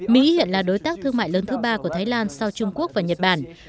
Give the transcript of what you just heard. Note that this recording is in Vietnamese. mỹ hiện là đối tác thương mại lớn thứ ba của thái lan sau trung quốc và nhật bản